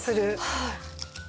はい。